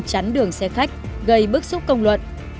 chắn đường xe khách gây bức xúc công luận